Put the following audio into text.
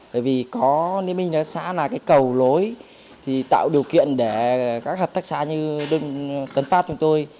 bởi vì có liên minh hợp tác xã là cái cầu lối tạo điều kiện để các hợp tác xã như tấn pháp chúng tôi